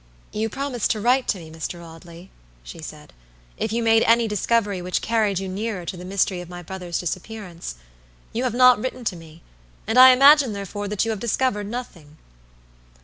"You promised to write to me, Mr. Audley," she said, "if you made any discovery which carried you nearer to the mystery of my brother's disappearance. You have not written to me, and I imagine, therefore, that you have discovered nothing."